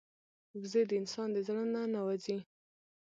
وزې د انسان د زړه نه نه وځي